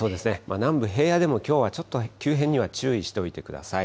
南部平野部でもきょうは急変には注意しておいてください。